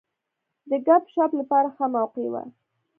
د ګپ شپ لپاره ښه موقع وه.